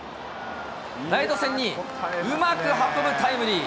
ライト線にうまく運ぶタイムリー。